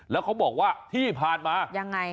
แล้วเขาบอกว่าที่ผ่านมายังไง